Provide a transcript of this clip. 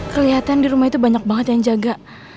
kelihatan di rumah itu banyak banget yang jaga